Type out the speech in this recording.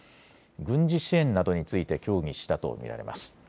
軍事支援などについて協議したと見られます。